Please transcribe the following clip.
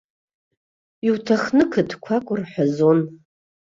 Иуҭахны қыдқәак урҳәазон.